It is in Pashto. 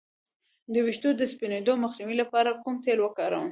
د ویښتو د سپینیدو مخنیوي لپاره کوم تېل وکاروم؟